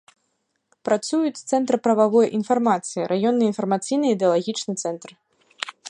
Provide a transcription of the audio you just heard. Працуюць цэнтр прававой інфармацыі, раённы інфармацыйна-ідэалагічны цэнтр.